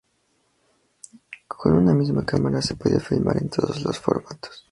Con una misma cámara se podía filmar en todos los formatos.